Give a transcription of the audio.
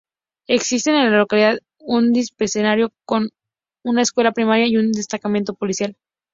Existen en la localidad un dispensario, una escuela primaria y un destacamento policial.